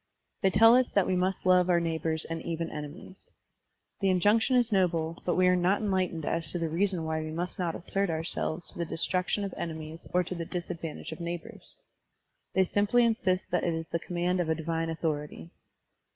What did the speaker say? They tell us that we m^i^ love our neighbors and even enemies. The injunction is noble, but we are not enlightened as to the reason why we must not assert ourselves tQ the destruction of enemies or to the disadvantage of neighbors. They simply insist that it is the command of a divine authority.